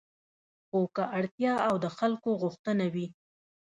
خو که اړتیا او د خلکو غوښتنه وي